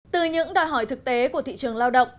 từ những đòi hỏi thực tế của thị trường lao động